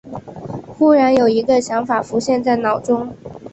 忽然一个想法浮现在脑中